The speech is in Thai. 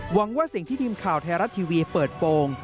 หวังว่าสิ่งที่ทีมข่าวไทยรัฐทีวีเปิดโปรง